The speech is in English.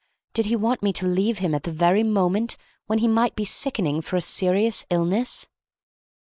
Did he want me to leave him at the very moment when he might be sickening for a serious illness?